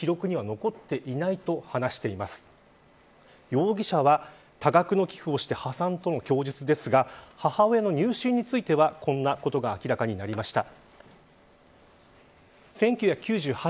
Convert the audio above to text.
容疑者は多額の寄付をして破産との供述ですが母親の入信についてはこんなことが明らかになりました。